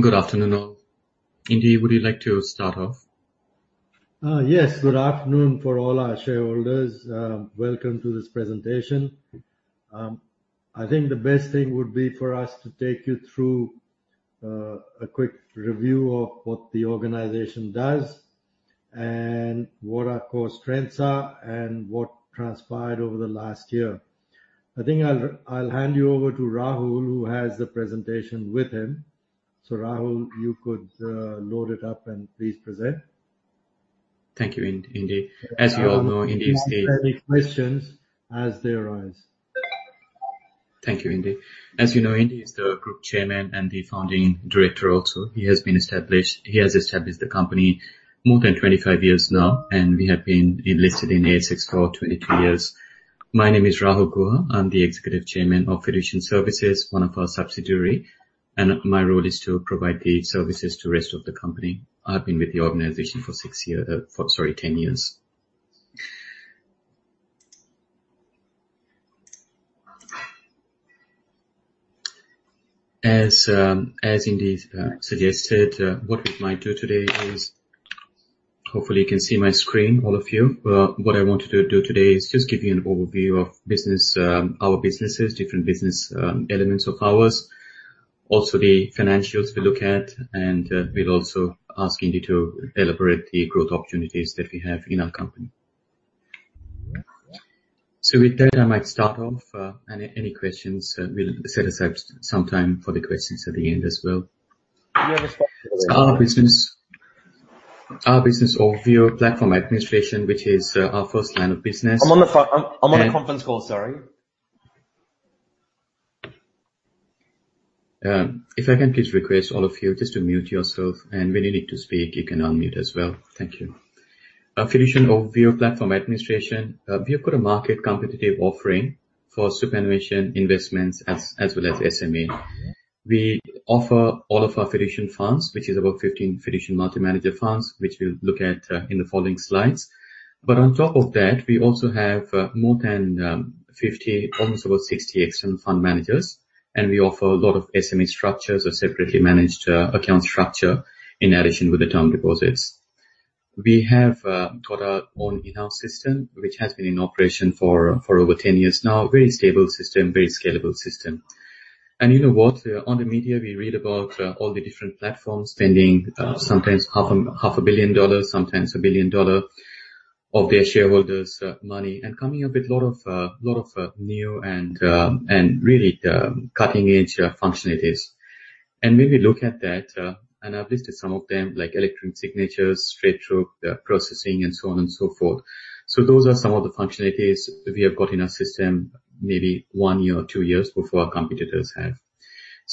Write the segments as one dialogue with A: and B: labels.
A: Good afternoon, all. Indy, would you like to start off?
B: Yes. Good afternoon to all our shareholders. Welcome to this presentation. I think the best thing would be for us to take you through a quick review of what the organization does and what our core strengths are and what transpired over the last year. I think I'll hand you over to Rahul, who has the presentation with him. Rahul, you could load it up and please present.
A: Thank you, Indy. As you all know, Indy is the
B: I'll take any questions as they arise.
A: Thank you, Indy. As you know, Indy is the Group Chairman and the founding director also. He has established the company more than 25 years now, and we have been listed in ASX for 22 years. My name is Rahul Guha. I'm the Executive Chairman of Fiducian Services, one of our subsidiary, and my role is to provide the services to rest of the company. I've been with the organization for 10 years. As Indy suggested, what we might do today is hopefully you can see my screen, all of you. What I wanted to do today is just give you an overview of business, our businesses, different business, elements of ours. Also the financials we'll look at, and we'll also ask Indy to elaborate the growth opportunities that we have in our company. With that, I might start off. Any questions? We'll set aside some time for the questions at the end as well.
B: You're responsible for.
A: Our business overview, platform administration, which is our first line of business. I'm on a conference call, sorry. If I can please request all of you just to mute yourself, and when you need to speak, you can unmute as well. Thank you. Our Fiducian overview of platform administration. We have got a market competitive offering for superannuation investments as well as SMA. We offer all of our Fiducian Funds, which is about 15 Fiducian multi-manager funds, which we'll look at in the following slides. But on top of that, we also have more than 50, almost about 60 external fund managers, and we offer a lot of SMA structures or separately managed account structure in addition with the term deposits. We have got our own in-house system, which has been in operation for over 10 years now. Very stable system, very scalable system. You know what? On the media, we read about all the different platforms spending sometimes half a billion dollars, sometimes a billion dollars of their shareholders' money and coming up with a lot of new and really cutting-edge functionalities. When we look at that, and I've listed some of them, like electronic signatures, straight-through processing and so on and so forth. Those are some of the functionalities we have got in our system maybe one year or two years before our competitors have.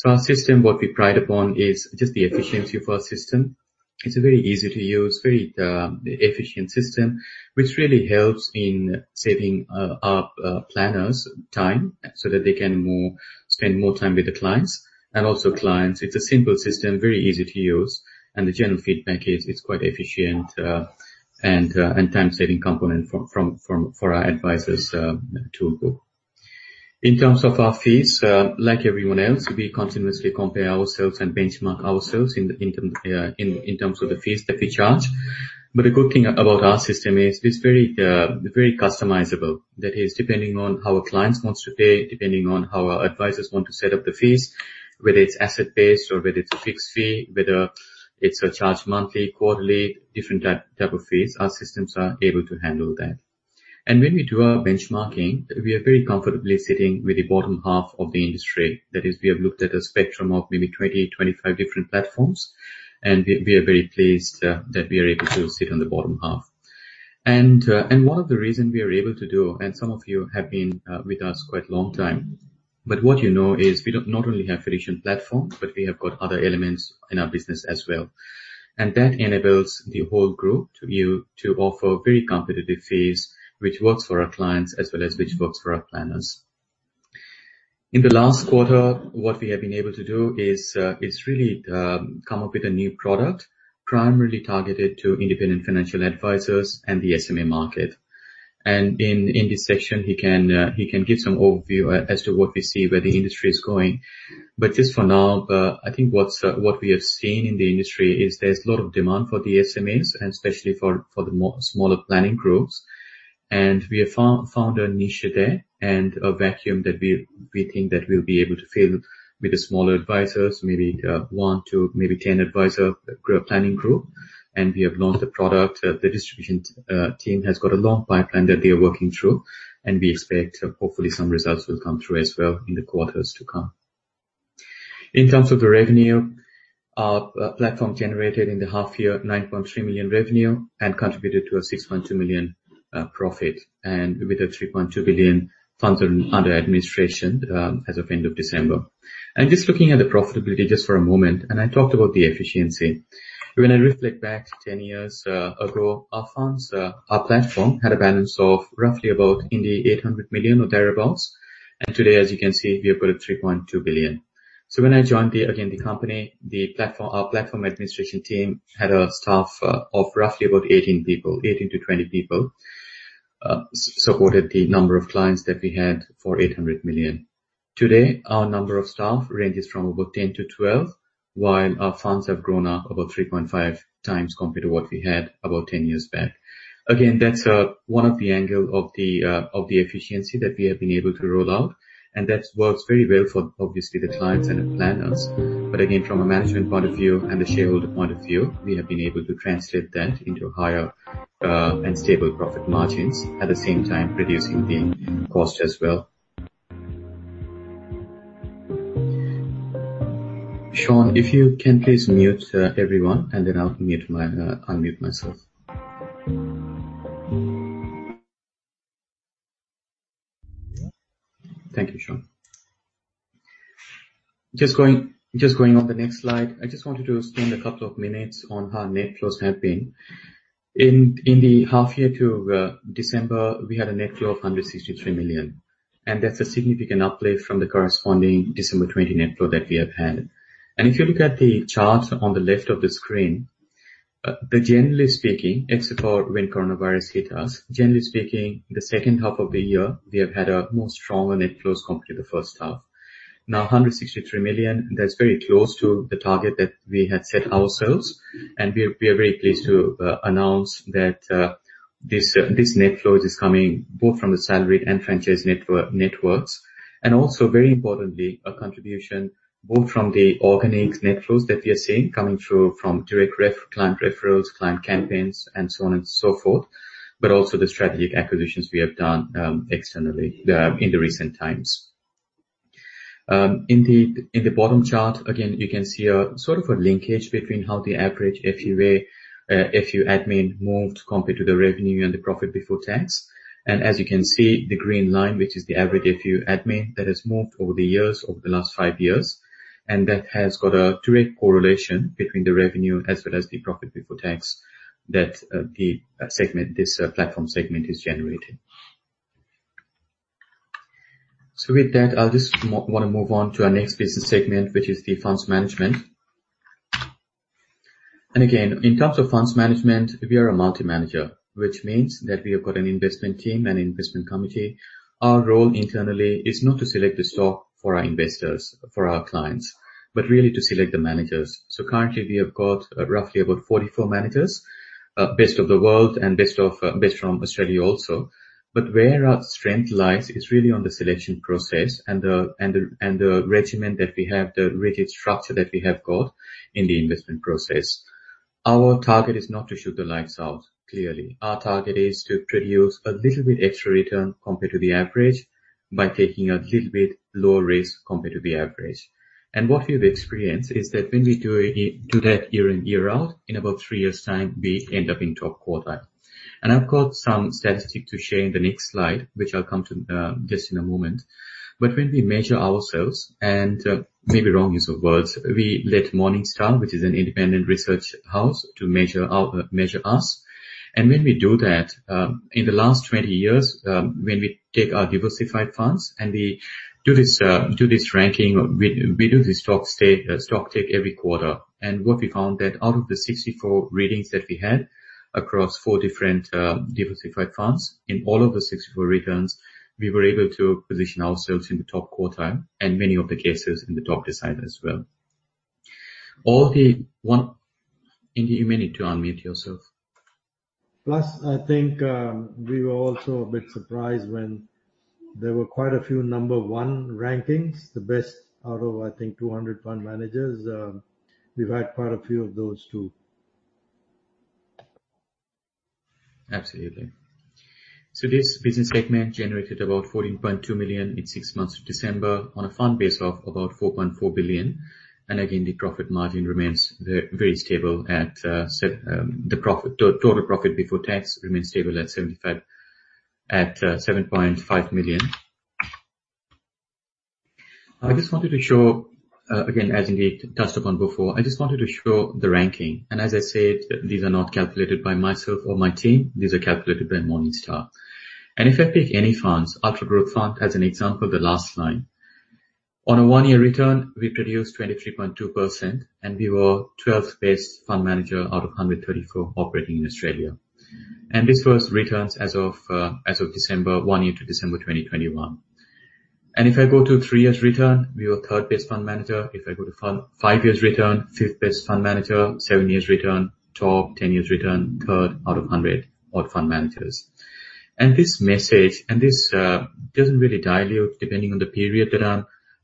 A: Our system, what we pride upon is just the efficiency of our system. It's a very easy to use, very efficient system, which really helps in saving our planners' time so that they can spend more time with the clients. Also clients, it's a simple system, very easy to use, and the general feedback is it's quite efficient and time-saving component for our advisors tool. In terms of our fees, like everyone else, we continuously compare ourselves and benchmark ourselves in terms of the fees that we charge. The good thing about our system is it's very very customizable. That is, depending on how a client wants to pay, depending on how our advisors want to set up the fees, whether it's asset-based or whether it's a fixed fee, whether it's a charge monthly, quarterly, different type of fees, our systems are able to handle that. When we do our benchmarking, we are very comfortably sitting with the bottom half of the industry. That is, we have looked at a spectrum of maybe 20, 25 different platforms, and we are very pleased that we are able to sit on the bottom half. One of the reason we are able to do, and some of you have been with us quite long time, but what you know is we don't not only have Fiducian platform, but we have got other elements in our business as well. That enables the whole group, you, to offer very competitive fees, which works for our clients as well as our planners. In the last quarter, what we have been able to do is really come up with a new product primarily targeted to independent financial advisors and the SMA market. In this section, he can give some overview as to what we see where the industry is going. Just for now, I think what we have seen in the industry is there's a lot of demand for the SMAs and especially for the more smaller planning groups. We have found a niche there and a vacuum that we think that we'll be able to fill with the smaller advisors, maybe 1 to maybe 10-adviser planning group. We have launched the product. The distribution team has got a long pipeline that they are working through, and we expect hopefully some results will come through as well in the quarters to come. In terms of the revenue, our platform generated in the half year 9.3 million revenue and contributed to a 6.2 million profit, and with a 3.2 billion funds under administration as of end of December. Just looking at the profitability just for a moment, and I talked about the efficiency. When I reflect back 10 years ago, our platform had a balance of roughly about 800 million or thereabouts. Today, as you can see, we have got a 3.2 billion. When I joined the company, our platform administration team had a staff of roughly about 18 people, 18-20 people. It supported the number of clients that we had for 800 million. Today, our number of staff ranges from about 10-12, while our funds have grown up about 3.5 times compared to what we had about 10 years back. Again, that's one of the angles of the efficiency that we have been able to roll out, and that works very well for, obviously, the clients and the planners. Again, from a management point of view and a shareholder point of view, we have been able to translate that into higher and stable profit margins, at the same time reducing the cost as well. Sean, if you can please mute everyone, and then I'll unmute myself. Thank you, Sean. Just going on the next slide. I just wanted to spend a couple of minutes on how net flows have been. In the half year to December, we had a net flow of 163 million, and that's a significant uplift from the corresponding December 2020 net flow that we have had. If you look at the chart on the left of the screen, but generally speaking, except for when coronavirus hit us, generally speaking, the second half of the year, we have had more stronger net flows compared to the first half. Now 163 million, that's very close to the target that we had set ourselves, and we're very pleased to announce that this net flow is coming both from the salary and franchise networks. Also very importantly, a contribution both from the organic net flows that we are seeing coming through from direct referrals, client referrals, client campaigns and so on and so forth, but also the strategic acquisitions we have done externally in recent times. In the bottom chart, again, you can see a sort of a linkage between how the average FUA moved compared to the revenue and the profit before tax. As you can see, the green line, which is the average FUA that has moved over the years, over the last 5 years, and that has got a direct correlation between the revenue as well as the profit before tax that the segment, this platform segment is generating. With that, I'll just wanna move on to our next business segment, which is the funds management. Again, in terms of funds management, we are a multi-manager, which means that we have got an investment team, an investment committee. Our role internally is not to select the stock for our investors, for our clients, but really to select the managers. Currently we have got roughly about 44 managers, best of the world and best of best from Australia also. where our strength lies is really on the selection process and the regimen that we have, the rigid structure that we have got in the investment process. Our target is not to shoot the lights out, clearly. Our target is to produce a little bit extra return compared to the average by taking a little bit lower risk compared to the average. What we've experienced is that when we do that year in, year out, in about three years time, we end up in top quartile. I've got some statistic to share in the next slide, which I'll come to, just in a moment. When we measure ourselves and, maybe wrong use of words, we let Morningstar, which is an independent research house, to measure us. When we do that, in the last 20 years, when we take our diversified funds and we do this ranking, we do this stock take every quarter. What we found that out of the 64 ratings that we had across 4 different diversified funds, in all of the 64 returns, we were able to position ourselves in the top quartile, and many of the cases in the top decile as well. All the one... Indy, you may need to unmute yourself.
B: Plus, I think, we were also a bit surprised when there were quite a few number one rankings, the best out of I think 200 fund managers. We've had quite a few of those too.
A: Absolutely. This business segment generated about 14.2 million in six months to December on a fund base of about 4.4 billion. Again, the profit margin remains very stable at the profit, total profit before tax remains stable at 7.5 million. I just wanted to show again, as Indy touched upon before, I just wanted to show the ranking. As I said, these are not calculated by myself or my team. These are calculated by Morningstar. If I pick any funds, Ultra Growth Fund as an example, the last line. On a 1-year return, we produced 23.2%, and we were 12th best fund manager out of 134 operating in Australia. This was returns as of December, 1 year to December 2021. If I go to 3 years return, we were third best fund manager. If I go to 5 years return, fifth best fund manager. 7 years return, top. 10 years return, third out of 100 odd fund managers. This message doesn't really dilute depending on the period,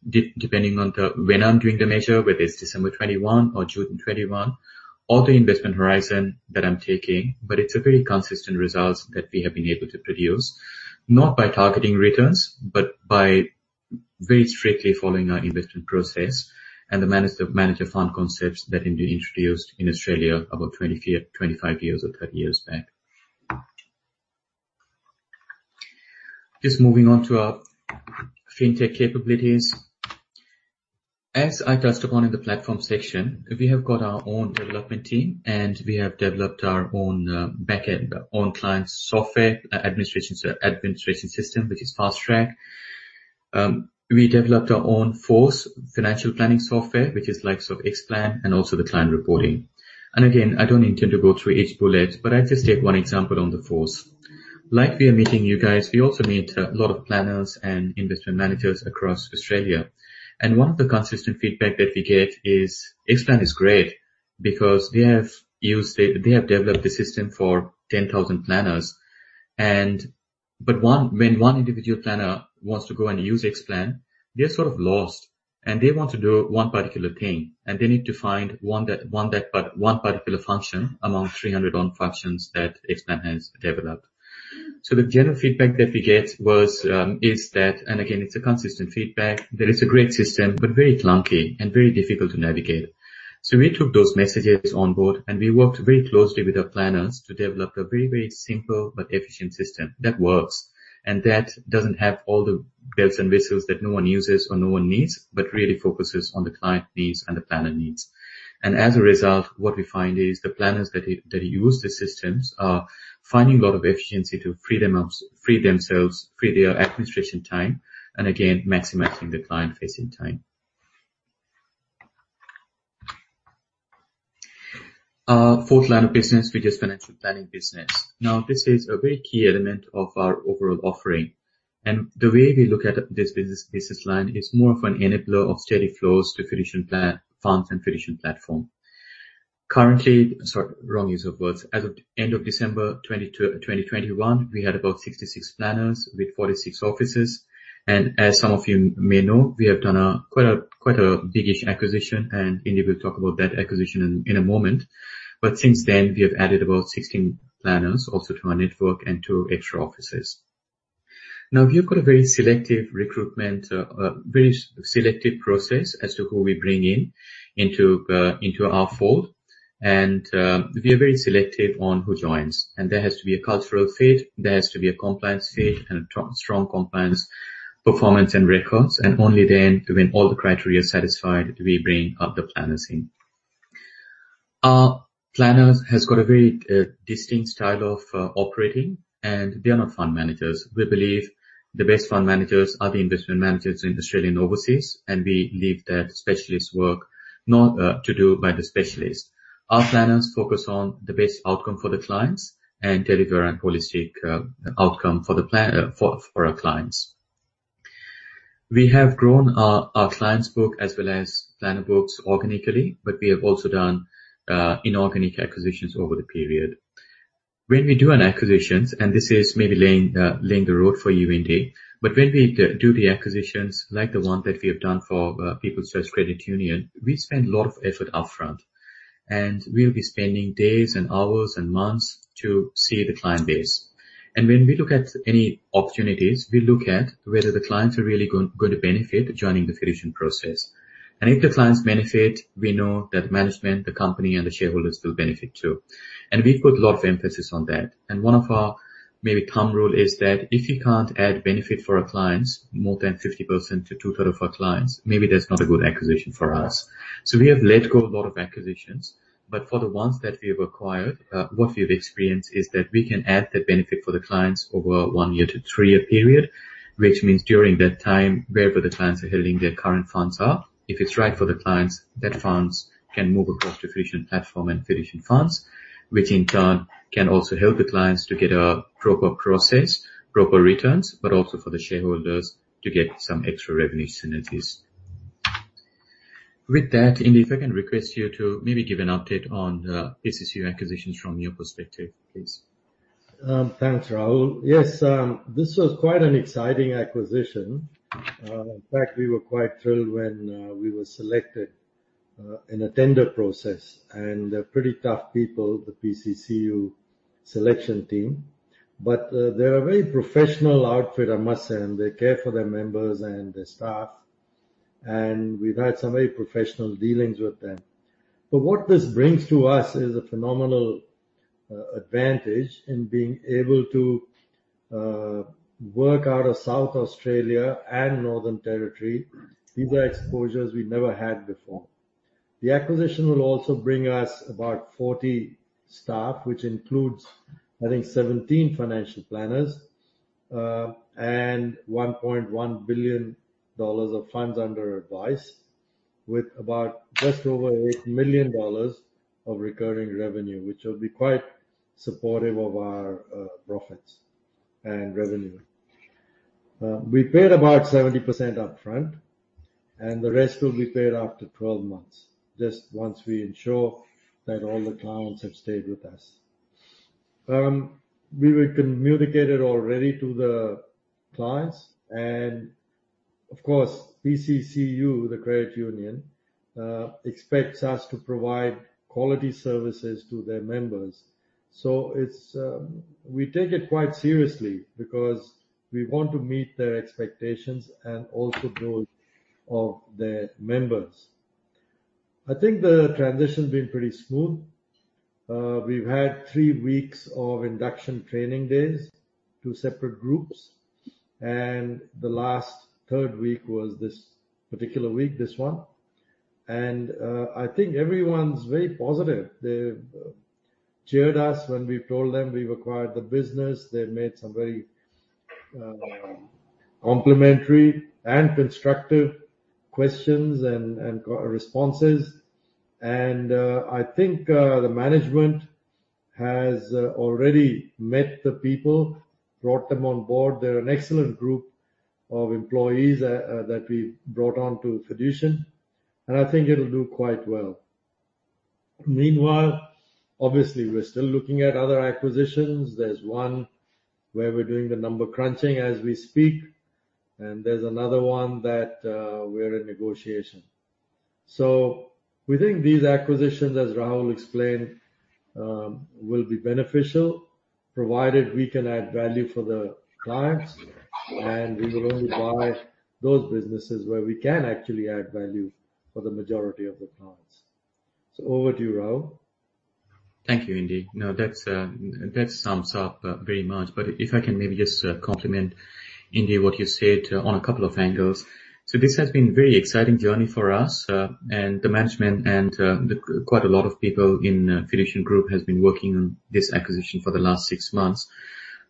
A: when I'm doing the measure, whether it's December 2021 or June 2021, or the investment horizon that I'm taking. It's a very consistent results that we have been able to produce, not by targeting returns, but by very strictly following our investment process and the multi-manager fund concepts that Indy introduced in Australia about 25 years or 30 years back. Just moving on to our fintech capabilities. As I touched upon in the platform section, we have got our own development team, and we have developed our own backend, own client software administration system, which is FastTrack. We developed our own FORCe financial planning software, which is likes of Xplan and also the client reporting. Again, I don't intend to go through each bullet, but I'll just take one example on the FORCe. Like we are meeting you guys, we also meet a lot of planners and investment managers across Australia. One of the consistent feedback that we get is Xplan is great because they have developed the system for 10,000 planners and When one individual planner wants to go and use Xplan, they're sort of lost, and they want to do one particular thing, and they need to find one particular function among 300-odd functions that Xplan has developed. The general feedback that we get is that, and again, it's a consistent feedback, that it's a great system, but very clunky and very difficult to navigate. We took those messages on board, and we worked very closely with our planners to develop a very, very simple but efficient system that works and that doesn't have all the bells and whistles that no one uses or no one needs, but really focuses on the client needs and the planner needs. As a result, what we find is the planners that use the systems are finding a lot of efficiency to free themselves, free their administration time, and again, maximizing the client-facing time. Our fourth line of business, which is financial planning business. Now, this is a very key element of our overall offering. The way we look at this business line is more of an enabler of steady flows to Fiducian plan, funds, and Fiducian platform. Currently... Sorry, wrong use of words. As of end of December 2021, we had about 66 planners with 46 offices. As some of you may know, we have done quite a biggish acquisition, and Indy will talk about that acquisition in a moment. Since then, we have added about 16 planners also to our network and two extra offices. Now, we've got a very selective process as to who we bring in, into our fold. We are very selective on who joins. There has to be a cultural fit, there has to be a compliance fit and a strong compliance performance and records. Only then, when all the criteria are satisfied, do we bring other planners in. Our planners has got a very distinct style of operating, and they are not fund managers. We believe the best fund managers are the investment managers in Australia and overseas, and we leave that specialist work not to do by the specialist. Our planners focus on the best outcome for the clients and deliver a holistic outcome for the plan for our clients. We have grown our clients book as well as planner books organically, but we have also done inorganic acquisitions over the period. When we do acquisitions, and this is maybe paving the road for you, Indy, but when we do the acquisitions like the one that we have done for People's Choice Credit Union, we spend a lot of effort upfront, and we'll be spending days and hours and months to see the client base. When we look at any opportunities, we look at whether the clients are really gonna benefit joining the Fiducian process. If the clients benefit, we know that management, the company, and the shareholders will benefit too. We put a lot of emphasis on that. One of our maybe thumb rule is that if you can't add benefit for our clients more than 50% to two-thirds of our clients, maybe that's not a good acquisition for us. We have let go a lot of acquisitions, but for the ones that we have acquired, what we have experienced is that we can add that benefit for the clients over a 1-year to 3-year period, which means during that time, wherever the clients are holding their current funds are, if it's right for the clients, that funds can move across to Fiducian platform and Fiducian funds, which in turn can also help the clients to get a proper process, proper returns, but also for the shareholders to get some extra revenue synergies. With that, Indy, if I can request you to maybe give an update on PCCU acquisitions from your perspective, please.
B: Thanks, Rahul. Yes, this was quite an exciting acquisition. In fact, we were quite thrilled when we were selected in a tender process. They're pretty tough people, the PCCU selection team. They're a very professional outfit, I must say, and they care for their members and their staff. We've had some very professional dealings with them. What this brings to us is a phenomenal advantage in being able to work out of South Australia and Northern Territory. These are exposures we never had before. The acquisition will also bring us about 40 staff, which includes, I think, 17 financial planners, and 1.1 billion dollars of funds under advice, with about just over 8 million dollars of recurring revenue, which will be quite supportive of our profits and revenue. We paid about 70% upfront, and the rest will be paid after 12 months, just once we ensure that all the clients have stayed with us. We were communicated already to the clients, and of course, PCCU, the credit union, expects us to provide quality services to their members. It's we take it quite seriously because we want to meet their expectations and also those of their members. I think the transition's been pretty smooth. We've had 3 weeks of induction training days, 2 separate groups, and the last third week was this particular week, this one. I think everyone's very positive. They've cheered us when we've told them we've acquired the business. They've made some very, complimentary and constructive questions and responses. I think the management has already met the people, brought them on board. They're an excellent group of employees that we brought on to Fiducian, and I think it'll do quite well. Meanwhile, obviously we're still looking at other acquisitions. There's one where we're doing the number crunching as we speak, and there's another one that we're in negotiation. We think these acquisitions, as Rahul explained, will be beneficial, provided we can add value for the clients, and we will only buy those businesses where we can actually add value for the majority of the clients. Over to you, Rahul.
A: Thank you, Indy. No, that's that sums up very much. If I can maybe just complement, Indy, what you said on a couple of angles. This has been very exciting journey for us, and the management and quite a lot of people in Fiducian Group has been working on this acquisition for the last six months.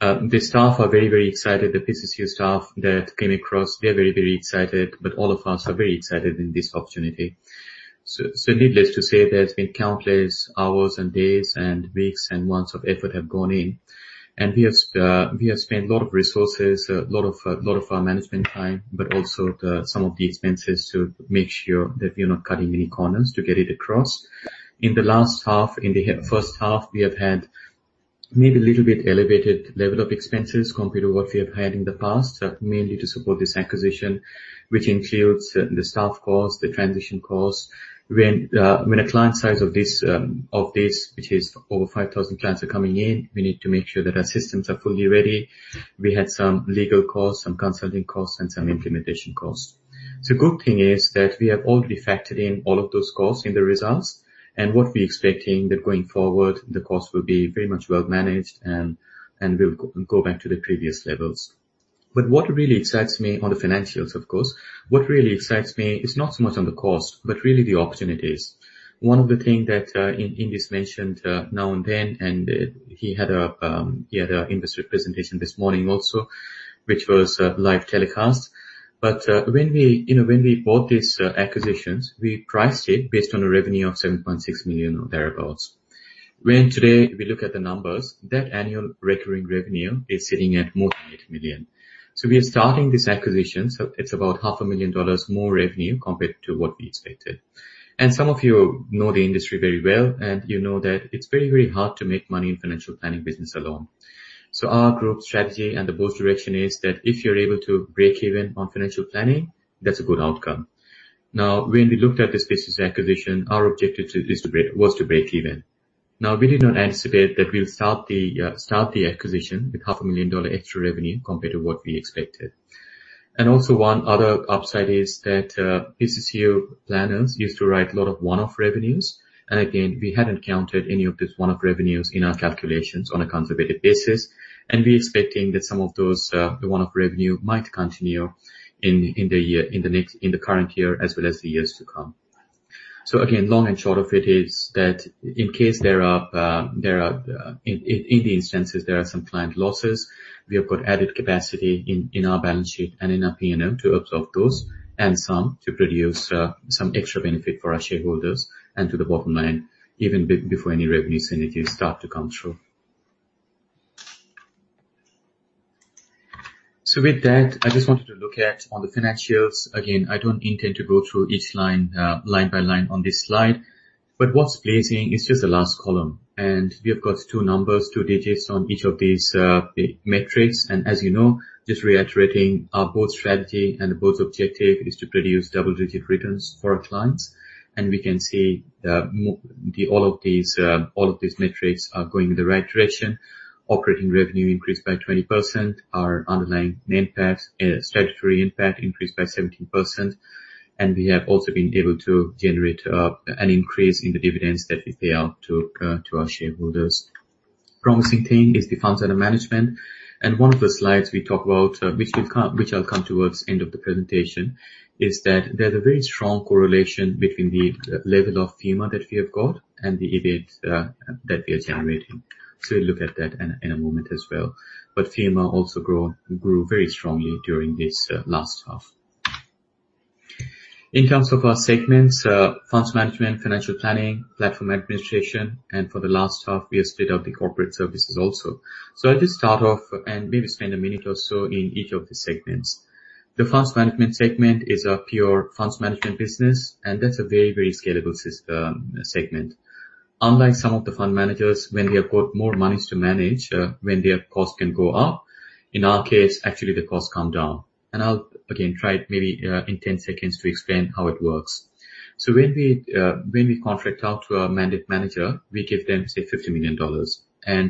A: The staff are very, very excited. The PCCU staff that came across, they're very, very excited, but all of us are very excited in this opportunity. Needless to say, there's been countless hours and days and weeks, and months of effort have gone in. We have spent a lot of resources, a lot of our management time, but also some of the expenses to make sure that we're not cutting any corners to get it across. In the last half, in the first half, we have had maybe a little bit elevated level of expenses compared to what we have had in the past, mainly to support this acquisition, which includes the staff costs, the transition costs. When a client size of this, which is over 5,000 clients are coming in, we need to make sure that our systems are fully ready. We had some legal costs, some consulting costs, and some implementation costs. Good thing is that we have already factored in all of those costs in the results. What we're expecting that going forward, the cost will be very much well managed and we'll go back to the previous levels. What really excites me on the financials is not so much on the cost, but really the opportunities. One of the thing that Indy's mentioned now and then, and he had an industry presentation this morning also, which was a live telecast. When we, you know, when we bought these acquisitions, we priced it based on a revenue of 7.6 million or thereabouts. When today we look at the numbers, that annual recurring revenue is sitting at more than 8 million. We are starting this acquisition, so it's about half a million AUD more revenue compared to what we expected. Some of you know the industry very well, and you know that it's very, very hard to make money in financial planning business alone. Our group strategy and the board's direction is that if you're able to break even on financial planning, that's a good outcome. Now, when we looked at the PCCU acquisition, our objective to this was to break even. Now, we did not anticipate that we'll start the acquisition with AUD half a million dollar extra revenue compared to what we expected. Also one other upside is that PCCU planners used to write a lot of one-off revenues. Again, we hadn't counted any of these one-off revenues in our calculations on a conservative basis. We're expecting that some of those one-off revenue might continue in the current year as well as the years to come. Again, long and short of it is that in case there are instances, there are some client losses, we have got added capacity in our balance sheet and in our P&L to absorb those and some to produce some extra benefit for our shareholders and to the bottom line even before any revenue synergies start to come through. With that, I just wanted to look at on the financials. Again, I don't intend to go through each line by line on this slide. What's pleasing is just the last column. We have got two numbers, two digits on each of these metrics. As you know, just reiterating our board's strategy and the board's objective is to produce double-digit returns for our clients. We can see all of these metrics are going in the right direction. Operating revenue increased by 20%. Our underlying NPAT, statutory NPAT increased by 17%. We have also been able to generate an increase in the dividends that we pay out to our shareholders. Promising thing is the funds under management. One of the slides we talk about, which I'll come toward end of the presentation, is that there's a very strong correlation between the level of FUMA that we have got and the EPS that we are generating. We'll look at that in a moment as well. FUMA also grew very strongly during this last half. In terms of our segments, funds management, financial planning, platform administration, and for the last half we have split out the corporate services also. I'll just start off and maybe spend a minute or so in each of the segments. The funds management segment is a pure funds management business, and that's a very, very scalable segment. Unlike some of the fund managers, when they have got more monies to manage, when their costs can go up, in our case, actually the costs come down. I'll again try maybe, in 10 seconds to explain how it works. When we contract out to our mandate manager, we give them, say, 50 million dollars.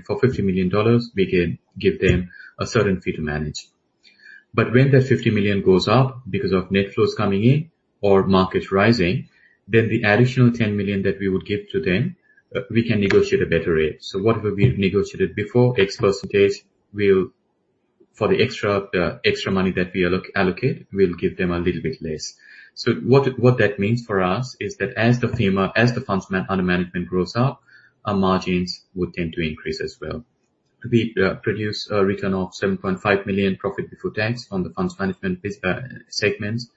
A: For 50 million dollars, we give them a certain fee to manage. When that 50 million goes up because of net flows coming in or market rising, then the additional 10 million that we would give to them, we can negotiate a better rate. So whatever we've negotiated before, X percentage, we'll, for the extra, the extra money that we allocate, we'll give them a little bit less. So what that means for us is that as the FUM, as the funds under management grows up, our margins would tend to increase as well. We produce a return of 7.5 million profit before tax on the funds management business segments.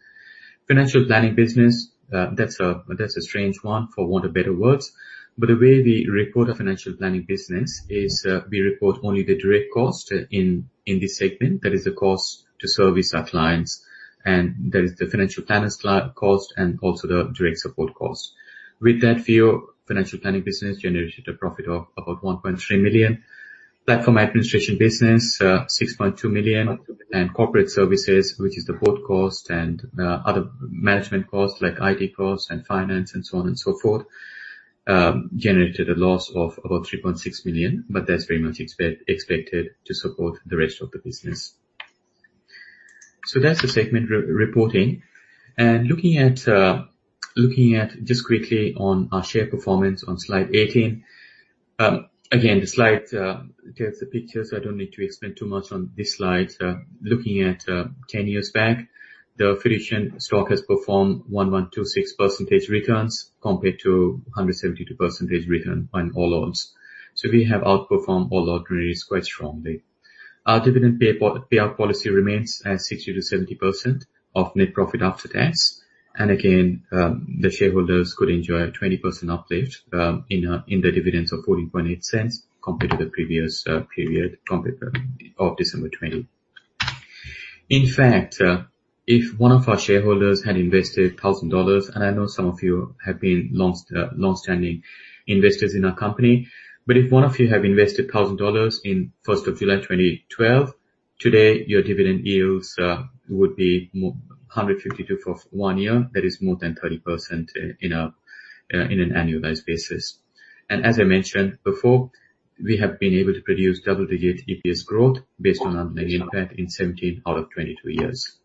A: Financial planning business, that's a strange one, for want of better words. The way we report our financial planning business is, we report only the direct cost in this segment. That is the cost to service our clients, and that is the financial planners cost and also the direct support cost. With that view, financial planning business generated a profit of about 1.3 million. Platform administration business, 6.2 million. Corporate services, which is the board cost and other management costs, like IT costs and finance and so on and so forth, generated a loss of about 3.6 million, but that's very much expected to support the rest of the business. That's the segment reporting. Looking at just quickly on our share performance on slide 18. Again, the slide tells the picture, so I don't need to explain too much on this slide. Looking at 10 years back, the Fiducian stock has performed 112.6% returns compared to 172% return on All Ords. We have outperformed All Ords really quite strongly. Our dividend payout policy remains at 60%-70% of net profit after tax. Again, the shareholders could enjoy a 20% uplift in the dividends of 0.148 compared to the previous period compared to December 2020. In fact, if one of our shareholders had invested 1,000 dollars, and I know some of you have been longstanding investors in our company. If one of you have invested 1,000 dollars on July 1, 2012, today your dividend yields would be 152 for 1 year, that is more than 30% on an annualized basis. As I mentioned before, we have been able to produce double-digit EPS growth based on our negative debt in 17 out of 22 years.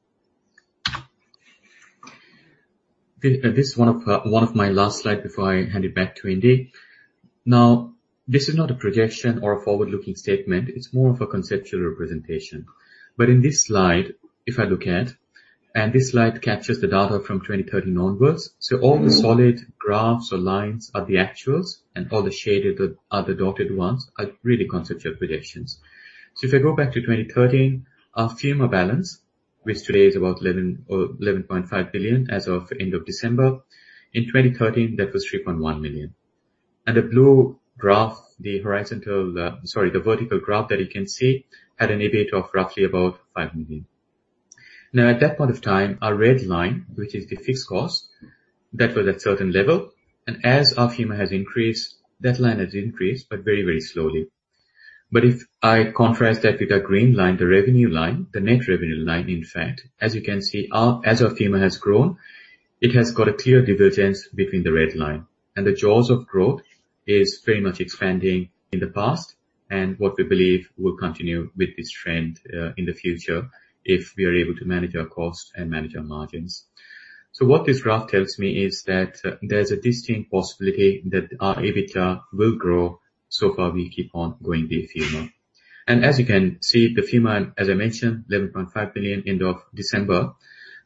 A: This is one of my last slide before I hand it back to Indy. Now, this is not a projection or a forward-looking statement, it's more of a conceptual representation. In this slide, if I look at, and this slide captures the data from 2013 onwards. All the solid graphs or lines are the actuals, and all the shaded or the dotted ones are really conceptual projections. If I go back to 2013, our FUM balance, which today is about 11 or 11.5 billion as of end of December. In 2013, that was 3.1 million. The blue graph, the vertical graph that you can see, had an EBIT of roughly about 5 million. Now, at that point of time, our red line, which is the fixed cost, that was at certain level. As our FUM has increased, that line has increased, but very, very slowly. If I contrast that with our green line, the revenue line, the net revenue line, in fact, as you can see, as our FUM has grown, it has got a clear divergence between the red line. The jaws of growth is very much expanding in the past, and what we believe will continue with this trend in the future if we are able to manage our costs and manage our margins. What this graph tells me is that there's a distinct possibility that our EBITDA will grow so long as we keep on growing the FUM. As you can see, the FUM, as I mentioned, 11.5 billion end of December,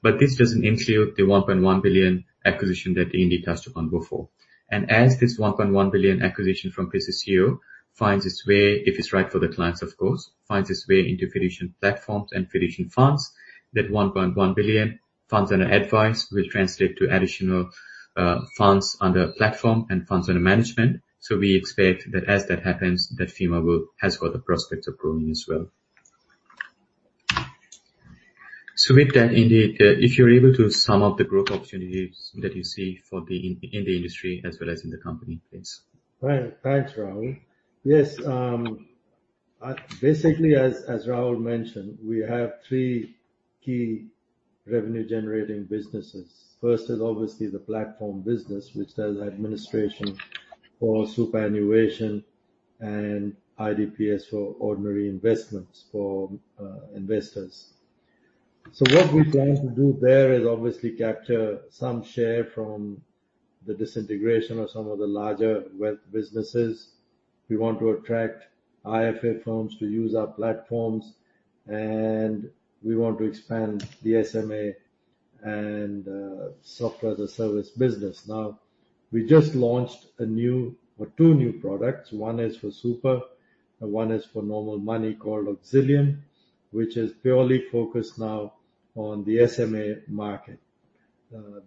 A: but this doesn't include the 1.1 billion acquisition that Indy touched upon before. As this 1.1 billion acquisition from PCCU finds its way, if it's right for the clients of course, finds its way into Fiducian platforms and Fiducian funds, that 1.1 billion funds under advice will translate to additional funds under platform and funds under management. We expect that as that happens, that FUM has got a prospect of growing as well. With that, Indy, if you're able to sum up the growth opportunities that you see for the in the industry as well as in the company, please.
B: Well, thanks, Rahul. Yes. Basically as Rahul mentioned, we have three key revenue-generating businesses. First is obviously the platform business, which does administration for superannuation and IDPS for ordinary investments for investors. What we plan to do there is obviously capture some share from the disintegration of some of the larger wealth businesses. We want to attract IFA firms to use our platforms, and we want to expand the SMA and software-as-a-service business. Now, we just launched one or two new products. One is for super and one is for normal money called Auxilium, which is purely focused now on the SMA market.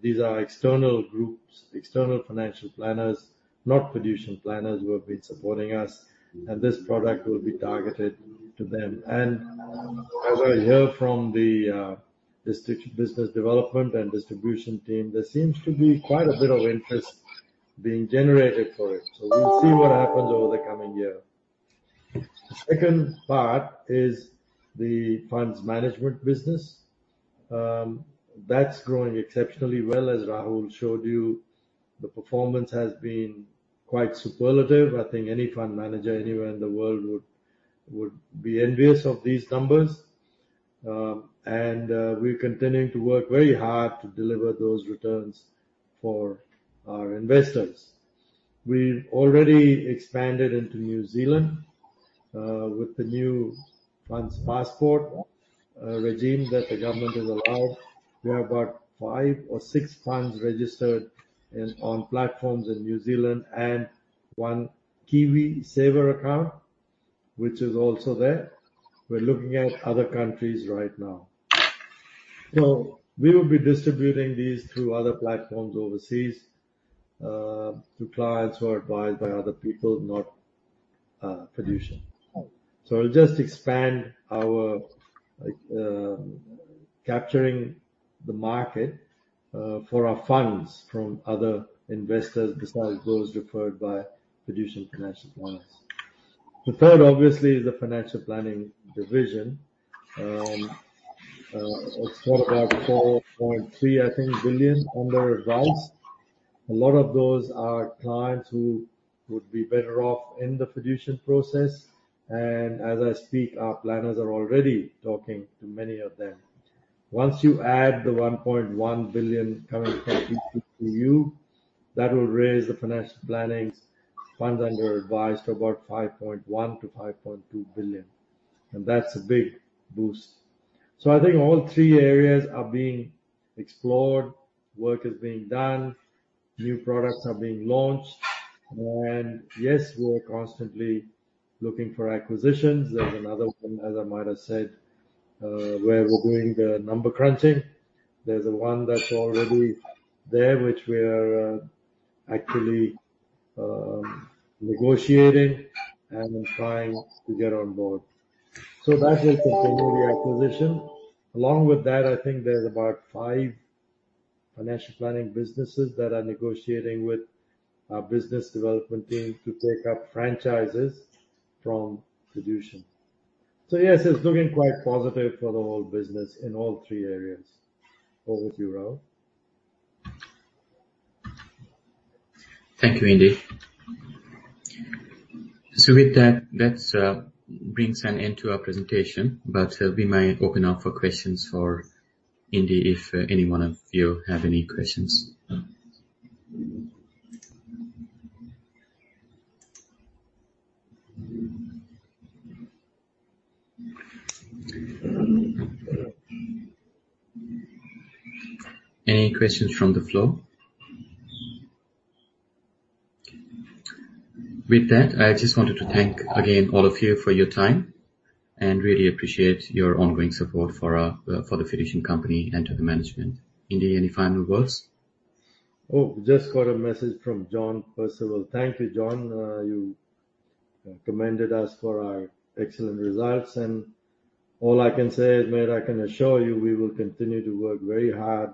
B: These are external groups, external financial planners, not Fiducian planners who have been supporting us, and this product will be targeted to them. As I hear from the business development and distribution team, there seems to be quite a bit of interest being generated for it. So we'll see what happens over the coming year. The second part is the funds management business. That's growing exceptionally well, as Rahul showed you. The performance has been quite superlative. I think any fund manager anywhere in the world would be envious of these numbers. We're continuing to work very hard to deliver those returns for our investors. We've already expanded into New Zealand with the new funds passport regime that the government has allowed. We have about five or six funds registered on platforms in New Zealand and one KiwiSaver account, which is also there. We're looking at other countries right now. We will be distributing these through other platforms overseas to clients who are advised by other people, not Fiducian. It'll just expand our capturing the market for our funds from other investors besides those referred by Fiducian financial planners. The third, obviously is the financial planning division. It's got about 4.3 billion under advice. A lot of those are clients who would be better off in the Fiducian process, and as I speak, our planners are already talking to many of them. Once you add the 1.1 billion coming from PCCU, that will raise the financial planning's funds under advice to about 5.1 billion-5.2 billion, and that's a big boost. I think all three areas are being explored. Work is being done. New products are being launched. Yes, we're constantly looking for acquisitions. There's another one, as I might have said, where we're doing the number crunching. There's the one that's already there, which we are actually negotiating and then trying to get on board. That will continue the acquisition. Along with that, I think there's about five financial planning businesses that are negotiating with our business development team to take up franchises from Fiducian. Yes, it's looking quite positive for the whole business in all three areas. Over to you, Rahul.
A: Thank you, Indy. With that, brings an end to our presentation, but we might open up for questions for Indy if any one of you have any questions. Any questions from the floor? With that, I just wanted to thank again all of you for your time, and really appreciate your ongoing support for the Fiducian company and to the management. Indy, any final words?
B: Oh, just got a message from John Percival. Thank you, John. You commended us for our excellent results. All I can say is, mate, I can assure you we will continue to work very hard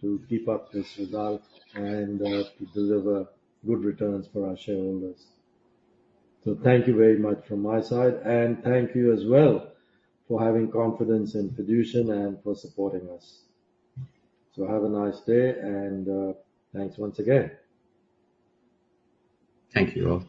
B: to keep up this result and to deliver good returns for our shareholders. Thank you very much from my side, and thank you as well for having confidence in Fiducian and for supporting us. Have a nice day and thanks once again.
A: Thank you all.